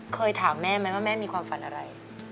เคยถามแม่ไหมว่าแม่มีความฝันอะไร